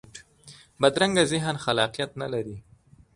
بدرنګه ذهن خلاقیت نه لري